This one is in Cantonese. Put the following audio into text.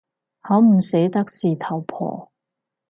好唔捨得事頭婆